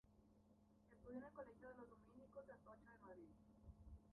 Estudió en el colegio de los dominicos de Atocha de Madrid.